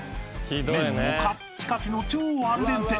［麺もカッチカチの超アルデンテ］